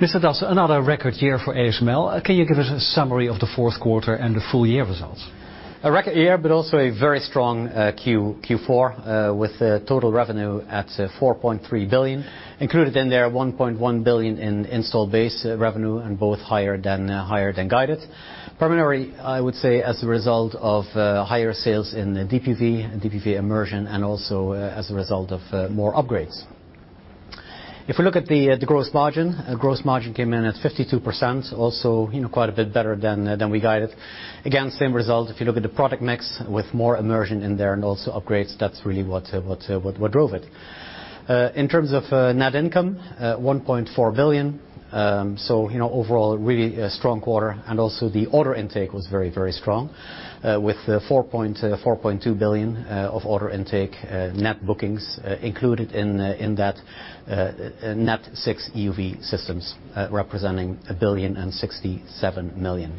Mr. Dassen, another record year for ASML. Can you give us a summary of the fourth quarter and the full year results? A record year, also a very strong Q4, with total revenue at 4.3 billion. Included in there, 1.1 billion in installed base revenue, both higher than guided. Primarily, I would say as a result of higher sales in DUV immersion, also as a result of more upgrades. If we look at the gross margin, gross margin came in at 52%, also quite a bit better than we guided. Again, same result if you look at the product mix with more immersion in there, also upgrades, that's really what drove it. In terms of net income, 1.4 billion. Overall, really a strong quarter, also the order intake was very strong, with 4.2 billion of order intake net bookings included in that net six EUV systems, representing 1.067 billion.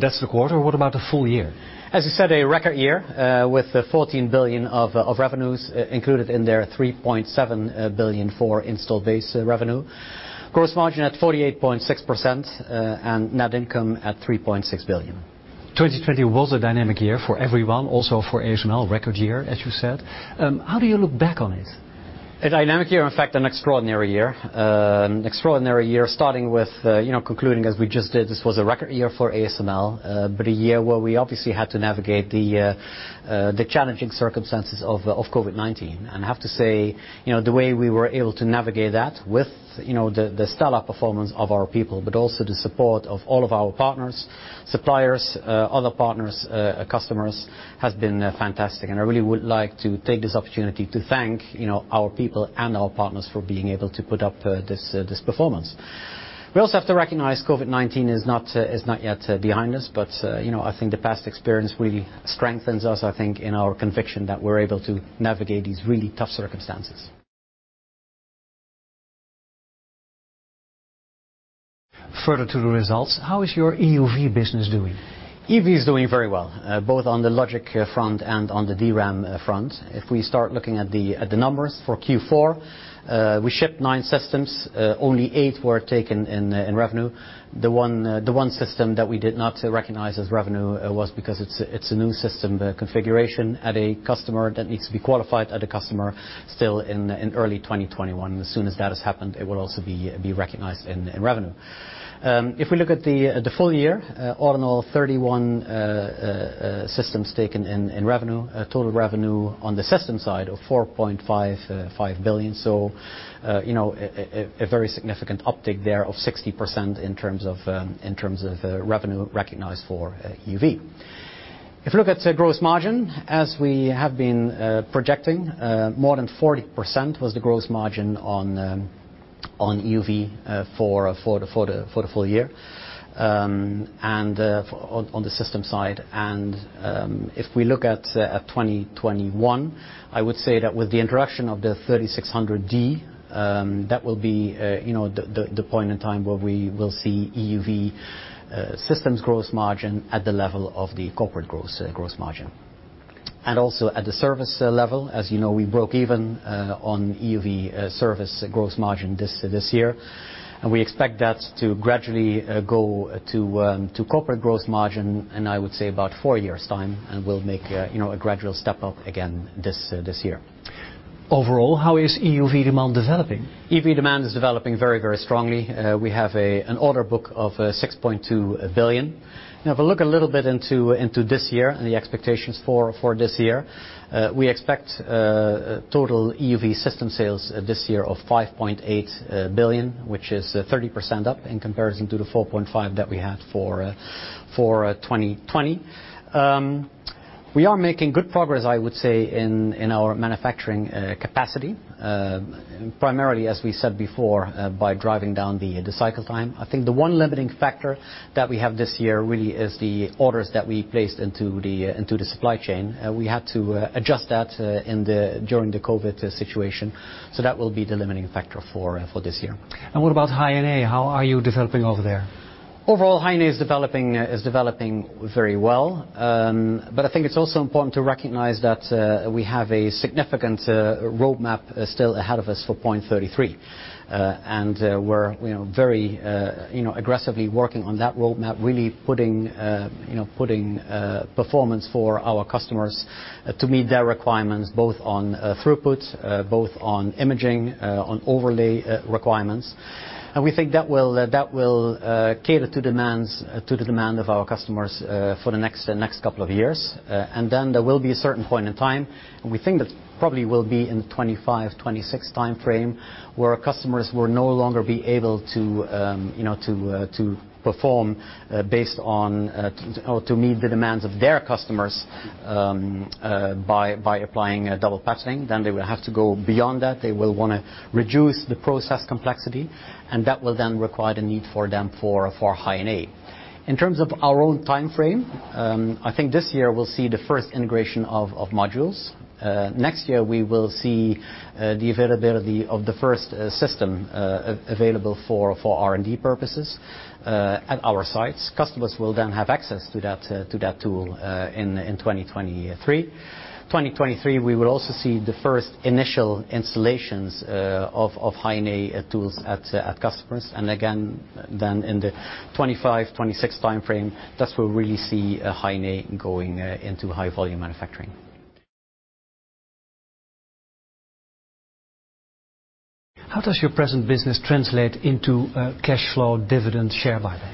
That's the quarter. What about the full year? As you said, a record year, with 14 billion of revenues. Included in there, 3.7 billion for installed base revenue. Gross margin at 48.6%. Net income at 3.6 billion. 2020 was a dynamic year for everyone, also for ASML. Record year, as you said. How do you look back on it? A dynamic year, in fact, an extraordinary year. An extraordinary year starting with concluding as we just did, this was a record year for ASML, but a year where we obviously had to navigate the challenging circumstances of COVID-19. I have to say, the way we were able to navigate that with the stellar performance of our people, but also the support of all of our partners, suppliers, other partners, customers, has been fantastic. I really would like to take this opportunity to thank our people and our partners for being able to put up this performance. We also have to recognize COVID-19 is not yet behind us, but I think the past experience really strengthens us, I think, in our conviction that we're able to navigate these really tough circumstances. Further to the results, how is your EUV business doing? EUV is doing very well, both on the Logic front and on the DRAM front. If we start looking at the numbers for Q4, we shipped nine systems, only eight were taken in revenue. The one system that we did not recognize as revenue was because it's a new system configuration at a customer that needs to be qualified at a customer still in early 2021. As soon as that has happened, it will also be recognized in revenue. If we look at the full year, all in all 31 systems taken in revenue. Total revenue on the system side of 4.55 billion, so a very significant uptick there of 60% in terms of revenue recognized for EUV. If you look at gross margin, as we have been projecting, more than 40% was the gross margin on EUV for the full year on the system side. If we look at 2021, I would say that with the introduction of the NXE:3600D, that will be the point in time where we will see EUV systems gross margin at the level of the corporate gross margin. Also at the service level, as you know, we broke even on EUV service gross margin this year, and we expect that to gradually go to corporate gross margin in, I would say, about four years' time, and we'll make a gradual step up again this year. Overall, how is EUV demand developing? EUV demand is developing very strongly. We have an order book of 6.2 billion. If we look a little bit into this year and the expectations for this year, we expect total EUV system sales this year of 5.8 billion, which is 30% up in comparison to the 4.5 that we had for 2020. We are making good progress, I would say, in our manufacturing capacity. Primarily, as we said before, by driving down the cycle time. I think the one limiting factor that we have this year really is the orders that we placed into the supply chain. We had to adjust that during the COVID situation. That will be the limiting factor for this year. what about High-NA? How are you developing over there? Overall, High-NA is developing very well. I think it's also important to recognize that we have a significant roadmap still ahead of us for 0.33. We're very aggressively working on that roadmap, really putting performance for our customers to meet their requirements, both on throughput, both on imaging, on overlay requirements. We think that will cater to the demand of our customers for the next couple of years. There will be a certain point in time, and we think that probably will be in 2025, 2026 timeframe, where our customers will no longer be able to perform based on or to meet the demands of their customers by applying double patterning. They will have to go beyond that. They will want to reduce the process complexity, and that will then require the need for them for High-NA. In terms of our own timeframe, I think this year we'll see the first integration of modules. Next year, we will see the availability of the first system available for R&D purposes at our sites. Customers will then have access to that tool in 2023. 2023, we will also see the first initial installations of High-NA tools at customers. Again, then in the 2025, 2026 timeframe, that's where we'll really see High-NA going into high volume manufacturing. How does your present business translate into cash flow dividend share buyback?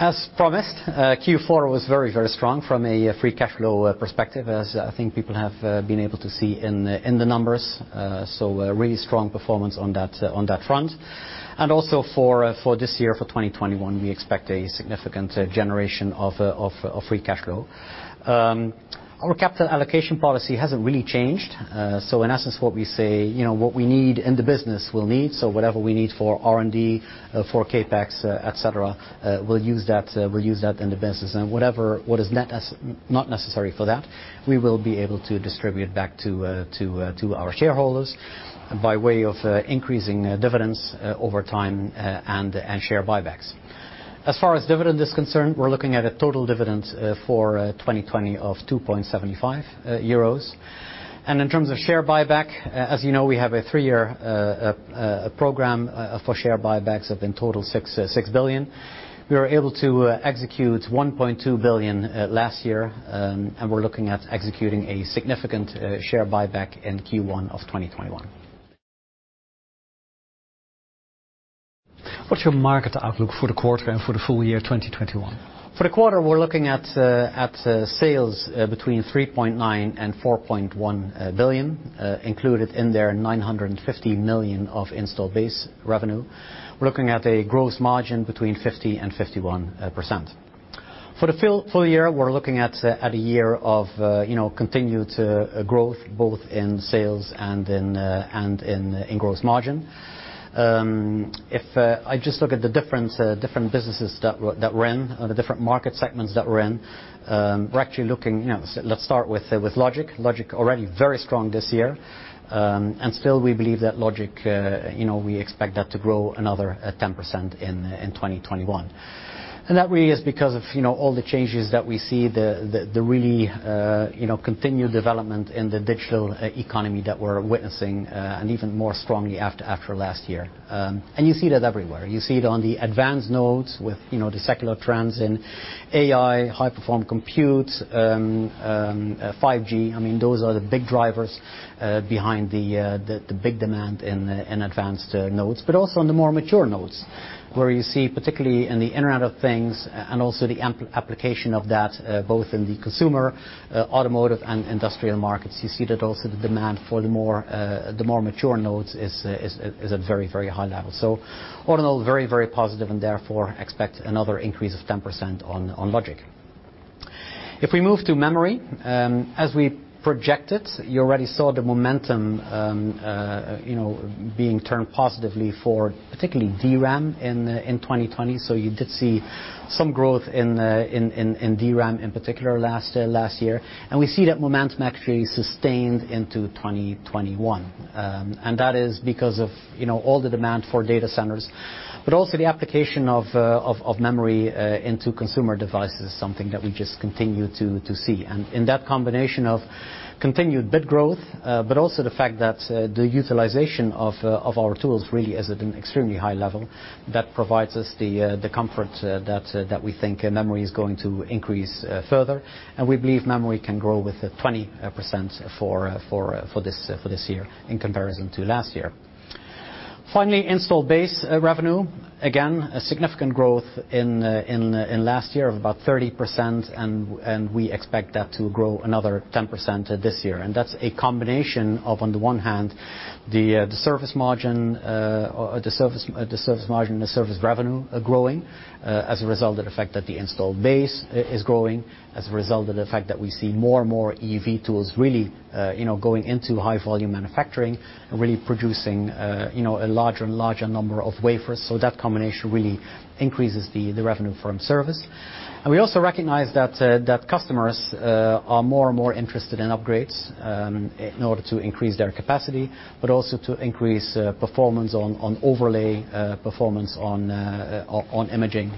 As promised, Q4 was very strong from a free cash flow perspective, as I think people have been able to see in the numbers. A really strong performance on that front. Also for this year, for 2021, we expect a significant generation of free cash flow. Our capital allocation policy hasn't really changed. In essence, what we say, what we need in the business, we'll need. Whatever we need for R&D, for CapEx, et cetera, we'll use that in the business. What is not necessary for that, we will be able to distribute back to our shareholders by way of increasing dividends over time and share buybacks. As far as dividend is concerned, we're looking at a total dividend for 2020 of 2.75 euros. In terms of share buyback, as you know, we have a three-year program for share buybacks of in total 6 billion. We were able to execute 1.2 billion last year, and we're looking at executing a significant share buyback in Q1 of 2021. What's your market outlook for the quarter and for the full year 2021? For the quarter, we're looking at sales between 3.9 billion and 4.1 billion, included in there 950 million of installed base revenue. We're looking at a gross margin between 50% and 51%. For the full year, we're looking at a year of continued growth both in sales and in gross margin. If I just look at the different businesses that we're in, the different market segments that we're in, let's start with Logic. Logic already very strong this year. Still, we believe that Logic, we expect that to grow another 10% in 2021. That really is because of all the changes that we see, the really continued development in the digital economy that we're witnessing, and even more strongly after last year. You see that everywhere. You see it on the advanced nodes with the secular trends in AI, high performance compute, 5G. Those are the big drivers behind the big demand in advanced nodes. Also on the more mature nodes, where you see, particularly in the Internet of Things and also the application of that both in the consumer, automotive, and industrial markets. You see that also the demand for the more mature nodes is at very high levels. All in all, very positive and therefore expect another increase of 10% on Logic. If we move to memory, as we projected, you already saw the momentum being turned positively for particularly DRAM in 2020. You did see some growth in DRAM in particular last year. We see that momentum actually sustained into 2021. That is because of all the demand for data centers, but also the application of memory into consumer devices, something that we just continue to see. In that combination of continued bit growth, but also the fact that the utilization of our tools really is at an extremely high level, that provides us the comfort that we think memory is going to increase further. We believe memory can grow with 20% for this year in comparison to last year. Finally, installed base revenue. Again, a significant growth in last year of about 30%, and we expect that to grow another 10% this year. That's a combination of, on the one hand, the service margin and the service revenue growing as a result of the fact that the installed base is growing, as a result of the fact that we see more and more EUV tools really going into high volume manufacturing and really producing a larger and larger number of wafers. That combination really increases the revenue from service. We also recognize that customers are more and more interested in upgrades in order to increase their capacity, but also to increase performance on overlay performance on imaging.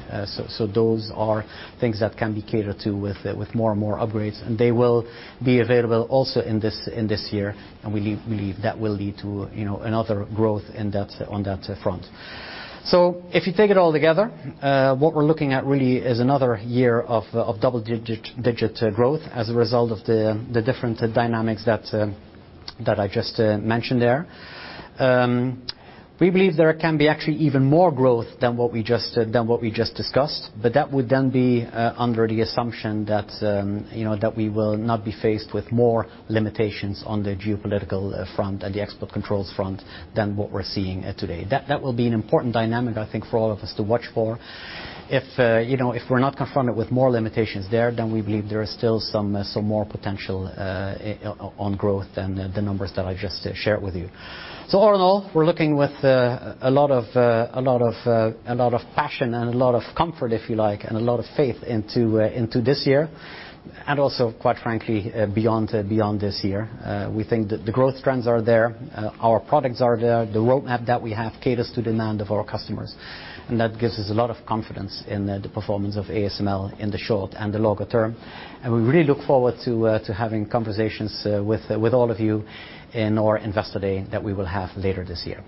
Those are things that can be catered to with more and more upgrades, and they will be available also in this year, and we believe that will lead to another growth on that front. If you take it all together, what we're looking at really is another year of double-digit growth as a result of the different dynamics that I just mentioned there. We believe there can be actually even more growth than what we just discussed, but that would then be under the assumption that we will not be faced with more limitations on the geopolitical front and the export controls front than what we're seeing today. That will be an important dynamic, I think, for all of us to watch for. If we're not confronted with more limitations there, we believe there is still some more potential on growth than the numbers that I just shared with you. All in all, we're looking with a lot of passion and a lot of comfort, if you like, and a lot of faith into this year, and also, quite frankly, beyond this year. We think that the growth trends are there, our products are there, the roadmap that we have caters to demand of our customers. That gives us a lot of confidence in the performance of ASML in the short and the longer term. We really look forward to having conversations with all of you in our Investor Day that we will have later this year.